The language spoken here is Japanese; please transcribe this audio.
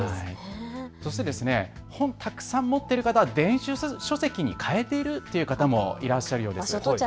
そして本、たくさん持っている方、電子書籍に変えているという方もいらっしゃるようです。